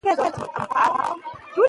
په خپلو لاسونو کار وکړئ.